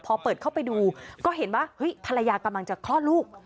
พอเปิดเข้าไปดูก็เห็นว่าเฮ้ยภรรยากำลังจะคลอดลูก